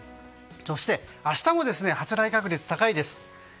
そして、明日も発雷確率は高いです。